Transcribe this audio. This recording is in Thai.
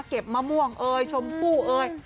เก็บมะม่วงเอ่ยชมกู้เอ่ย